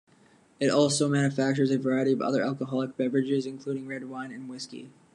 It also manufactures a variety of other alcoholic beverages including red wine and whiskey.